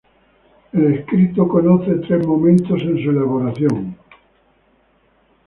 El escrito conoce tres momentos en su elaboración.